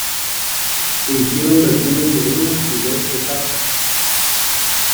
Se hicieron versiones de una y dos etapas.